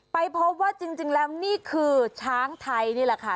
ไปพบว่าจริงแล้วนี่คือช้างไทยนี่แหละค่ะ